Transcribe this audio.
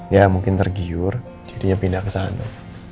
ya mungkin tergiur jadinya pindah ke sana